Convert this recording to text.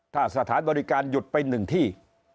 ถ้าสถานบริการหยุดไป๑ที่